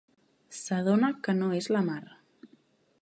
S'adona que no és la Mar.